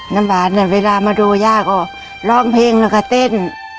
น้ำหวานเนี่ยเวลามาดูย่าก็ร้องเพลงแล้วก็เต้น